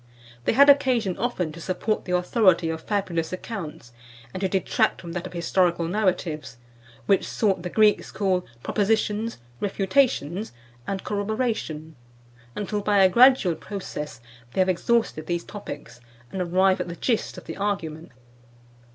They had occasion often to support the authority of fabulous accounts, and to detract from that of historical narratives, which sort the Greeks call "Propositions," "Refutations" and "Corroboration," until by a gradual process they have exhausted these topics, and arrive at the gist of the argument.